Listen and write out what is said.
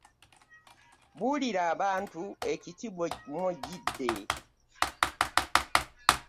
Buulira abantu ekiti mwogidde.